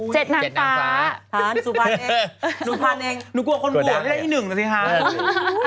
เจ็ดนางฟ้า